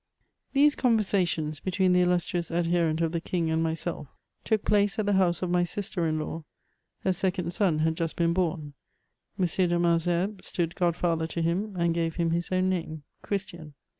Thsbs conrenatioDS, between tihe iUnstrious adheretd of the Inng and myself, took |^e at the honae of mj sister in law ; her second son had just been bom ; M . de Maksheibes stood god&ther to him, and gave him his own nanie^ Chiistian.